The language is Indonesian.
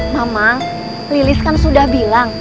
mama lilis kan sudah bilang